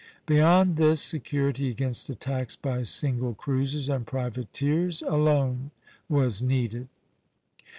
Beyond this, security against attacks by single cruisers and privateers alone was needed.